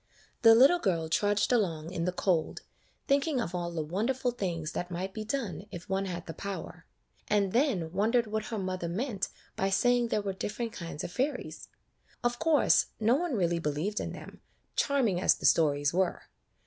The little girl trudged along in the cold, thinking of all the wonderful things that might be done if one had the power; and then won dered what her mother meant by saying there were different kinds of fairies. Of course, no one really believed in them, charming as the stories were.